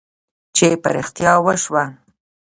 چې په رښتیا وشوه.